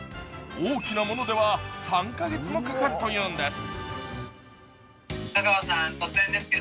大きなものでは３カ月もかかるというんです。